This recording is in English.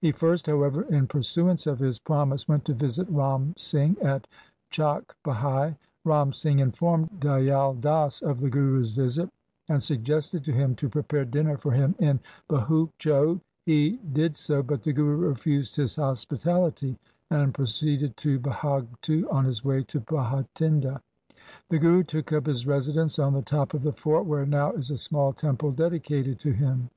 He first, however, in pursuance of his promise went to visit Ram Singh at Chakk Bhai. Ram Singh informed Dayal Das of the Guru's visit, and suggested to him to prepare dinner for him in Bhuchcho. He did so, but the Guru refused his hospitality and proceeded to Bhagtu on his way to Bhatinda. The Guru took up his residence on the top of the fort where now is a small temple dedi cated to him.